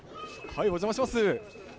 お邪魔します。